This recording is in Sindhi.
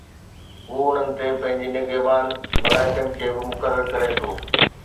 هو انهن تي پنهنجي نگهبان ملائڪن کي به مقرر ڪري ٿو